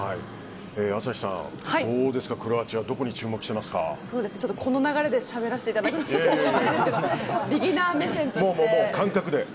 朝日さん、どうですかクロアチアのどこにこの流れでしゃべらせていただくとは思わなかったですが。